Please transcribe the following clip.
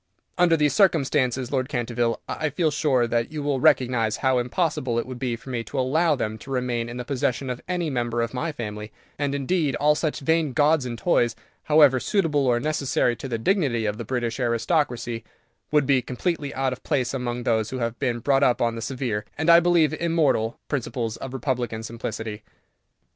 Under these circumstances, Lord Canterville, I feel sure that you will recognize how impossible it would be for me to allow them to remain in the possession of any member of my family; and, indeed, all such vain gauds and toys, however suitable or necessary to the dignity of the British aristocracy, would be completely out of place among those who have been brought up on the severe, and I believe immortal, principles of Republican simplicity.